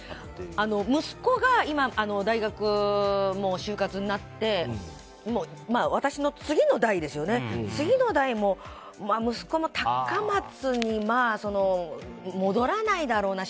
息子が今、大学もう就活になって私の次の代ですよね、次の代も息子も高松に戻らないだろうな。